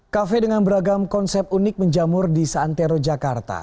kafe dengan beragam konsep unik menjamur di santero jakarta